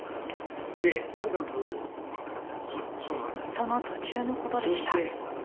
その途中のことでした。